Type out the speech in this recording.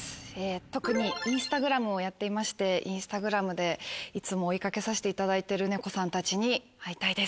特にインスタグラムをやっていましてインスタグラムでいつも追い掛けさしていただいてる猫さんたちに会いたいです。